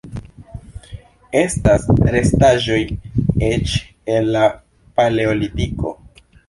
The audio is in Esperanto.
Estas restaĵoj eĉ el la Paleolitiko.